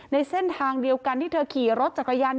ในเส้นทางเดียวกันที่เธอขี่รถจักรยาน